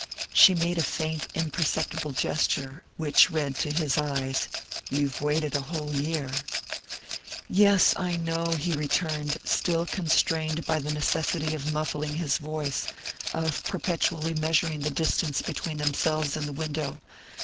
She made a faint, imperceptible gesture, which read to his eyes: "You've waited a whole year." "Yes, I know," he returned, still constrained by the necessity of muffling his voice, of perpetually measuring the distance between themselves and the window.